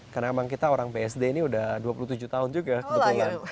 karena memang kita orang bsd ini udah dua puluh tujuh tahun juga kebetulan